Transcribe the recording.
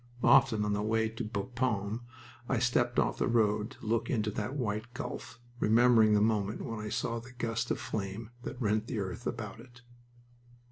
Often on the way to Bapaume I stepped off the road to look into that white gulf, remembering the moment when I saw the gust of flame that rent the earth about it.